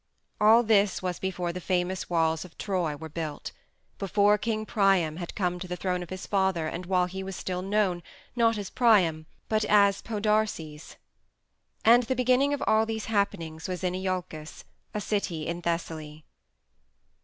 All this was before the famous walls of Troy were built; before King Priam had come to the throne of his father and while he was still known, not as Priam, but as Podarces. And the beginning of all these happenings was in Iolcus, a city in Thessaly.